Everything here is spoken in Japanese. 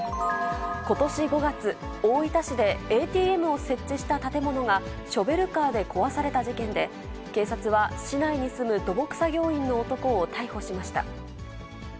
ことし５月、大分市でＡＴＭを設置した建物がショベルカーで壊された事件で、警察は市内に住む土木作業員の男を逮捕しました。